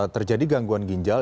terjadi gangguan ginjal